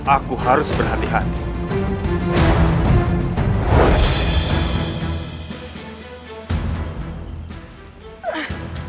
aku harus berhati hati